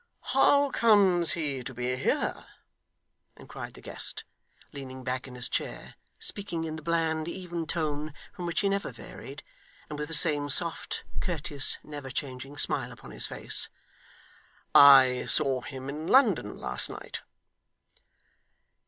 'How comes he to be here?' inquired the guest, leaning back in his chair; speaking in the bland, even tone, from which he never varied; and with the same soft, courteous, never changing smile upon his face. 'I saw him in London last night.